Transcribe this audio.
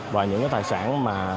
và những tài sản mà